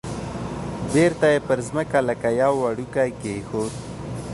بیرته یې پر مځکه لکه یو وړوکی کېښود.